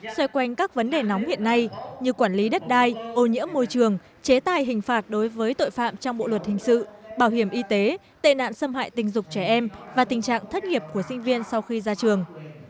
xoay quanh các vấn đề nóng hiện nay như quản lý đất đai ô nhiễm môi trường chế tài hình phạt đối với tội phạm trong bộ luật hình sự bảo hiểm y tế tệ nạn xâm hại tình dục trẻ em và tình trạng thất nghiệp của sinh viên sau khi ra trường